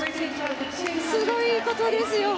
すごいことですよ！